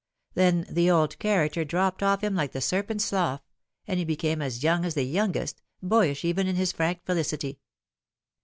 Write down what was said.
Then the old character dropped off him like the serpent's slough, and he became as young as the youngest boyish even in his frank felicity.